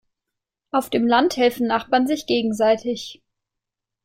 Auf dem Land helfen Nachbarn sich gegenseitig.